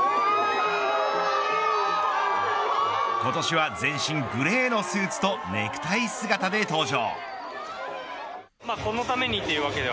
今年は全身グレーのスーツとネクタイ姿で登場。